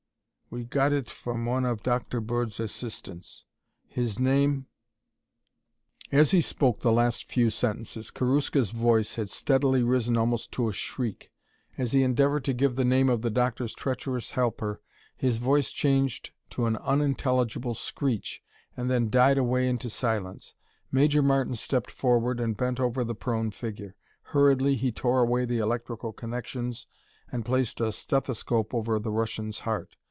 "We got it from one of Dr. Bird's assistants. His name "As he spoke the last few sentences, Karuska's voice had steadily risen almost to a shriek. As he endeavored to give the name of the doctor's treacherous helper his voice changed to an unintelligible screech and then died away into silence. Major Martin stepped forward and bent over the prone figure. Hurriedly he tore away the electrical connections and placed a stethoscope over the Russian's heart.